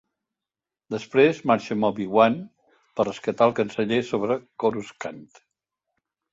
Després marxa amb Obi-Wan per rescatar el Canceller sobre Coruscant.